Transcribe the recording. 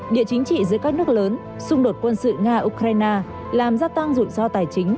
địa chính trị giữa các nước lớn xung đột quân sự nga ukraine làm gia tăng rủi ro tài chính